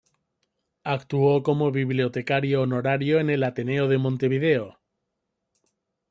Actuó como Bibliotecario Honorario en el Ateneo de Montevideo.